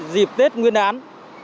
dịp tết nguyên án